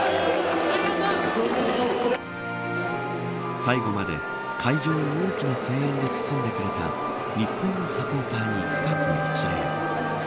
最後まで会場を大きな声援で包んでくれた日本のサポーターに深く一礼。